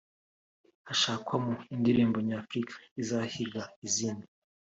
hashakwamo indirimbo nyafurika izahiga izindi